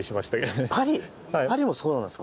パリも、そうなのですか？